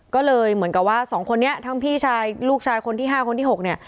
ก็เลยเหมือนกับว่าสองคนนี้ทั้งพี่ชายลูกชายคนที่๕คนที่๖เนี่ย